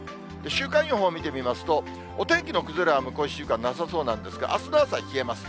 週間予報を見てみますと、お天気の崩れは向こう１週間なさそうなんですが、あすの朝、冷えます。